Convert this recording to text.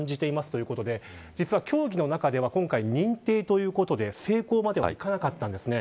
ということで実は競技の中では今回認定ということで成功まではいかなかったんですね。